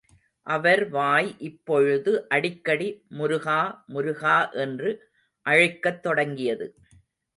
அவர் வாய் இப்பொழுது அடிக்கடி முருகா, முருகா என்று அழைக்கத் தொடங்கியது.